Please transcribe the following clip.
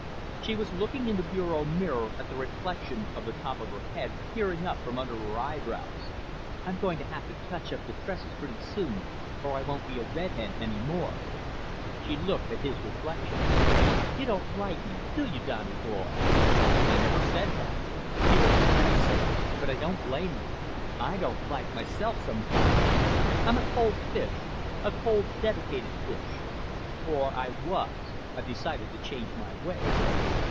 She was looking in the bureau mirror at the reflection of the top of her head, peering up from under her eyebrows. "I'm going to have to touch up the tresses pretty soon or I won't be a redhead any more." She looked at his reflection. "You don't like me, do you, Donny boy?" "I never said that." "You don't have to say it. But I don't blame you. I don't like myself sometimes. I'm a cold fish. A cold, dedicated fish. Or I was. I've decided to change my ways."